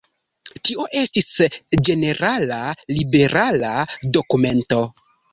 Tio estis ĝenerala liberala dokumento.